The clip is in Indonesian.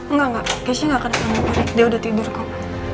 nggak nggak keisha nggak kena kelamin hari dia udah tidur kok